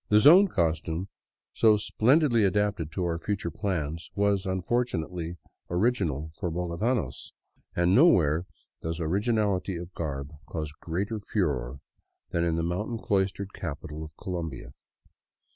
The Zone cos tume, so splendidly adapted to our future plans, was, unfortunately, ':. original for bogotanos; and nowhere does originaHty of garb cause greater furore than in the mountain cloistered capital of Colombia.